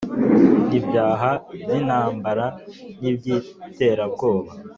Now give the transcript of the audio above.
n'ibyaha by'intambara n'iby'iterabwoba